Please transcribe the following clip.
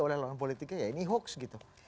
oleh lawan politiknya ya ini hoax gitu